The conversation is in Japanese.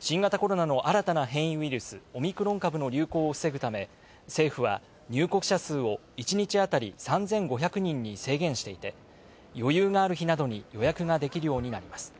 新型コロナの新たな変異ウイルス「オミクロン株」の流行を防ぐため政府は入国者数を１日当たり３５００人に制限していて余裕がある日などに予約ができるようになります。